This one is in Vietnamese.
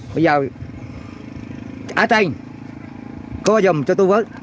bây giờ ái tranh cô giùm cho tôi với